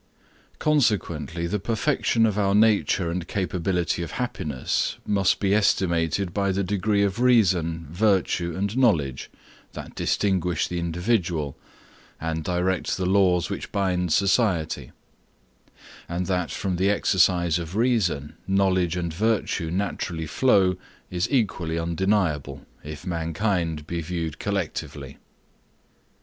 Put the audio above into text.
Consequently the perfection of our nature and capability of happiness, must be estimated by the degree of reason, virtue, and knowledge, that distinguish the individual, and direct the laws which bind society: and that from the exercise of reason, knowledge and virtue naturally flow, is equally undeniable, if mankind be viewed collectively.